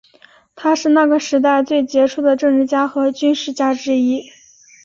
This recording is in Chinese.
他是那个时代最杰出的政治家和军事家之一。